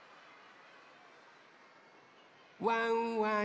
・ワンワン